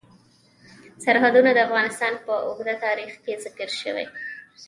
سرحدونه د افغانستان په اوږده تاریخ کې ذکر شوی دی.